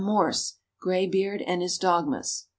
Morse, "Graybeard and His Dogmas."